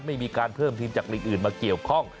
ไม่มีการเพิ่มทีมจากลีกอื่นมาเกี่ยวข้อง